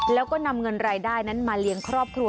แล้วก็นำเงินรายได้นั้นมาเลี้ยงครอบครัว